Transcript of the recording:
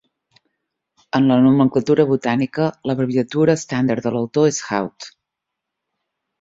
En la nomenclatura botànica, l'abreviatura estàndard de l'autor és Houtt.